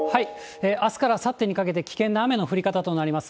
あすからあさってにかけて危険な雨の降り方となります。